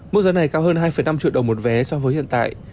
mức giá này cao hơn hai năm triệu đồng một vé so với hiện tại